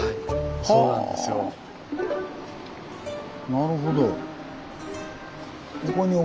なるほど。